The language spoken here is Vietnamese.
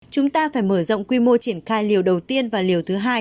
chúng ta phải mở rộng quy mô triển khai liều đầu tiên và liều thứ hai